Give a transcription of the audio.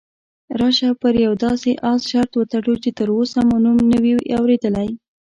راشه پر یوه داسې اس شرط وتړو چې تراوسه مو نوم نه وي اورېدلی.